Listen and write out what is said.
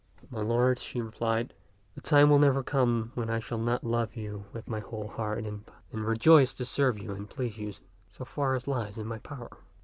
" My lord," she replied, " the time will never come when I shall not love you with my whole heart and rejoice to serve you and please you so far as lies in my power."